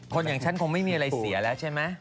อย่างฉันคงไม่มีอะไรเสียแล้วใช่ไหม